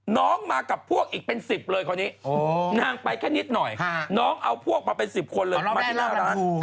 น้องมากับพวกอีกเป็น๑๐เลยคนนี้นางไปแค่นิดหน่อยน้องเอาพวกมาเป็น๑๐คนเลยมาที่หน้าร้าน